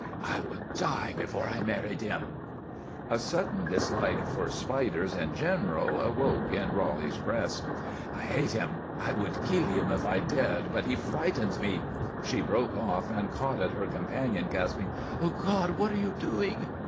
"I would die before I married him." A sudden dislike for spiders in general awoke in Roly's breast. "I hate him. I would kill him if I dared, but he frightens me " She broke off and caught at her companion, gasping: "God! What are you doing?"